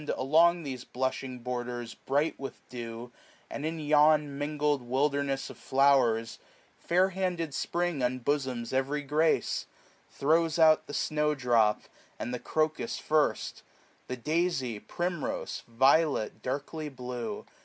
Along these blushing borders, bright with dew. And in yon mingFed wilderness of flowers, 525 Fair handed Spring unbosoms every grace ; Throws out the snow drop, and the crocus firjt j The daisy, primrose, violet darkly blue.